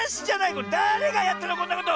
これだれがやったのこんなこと！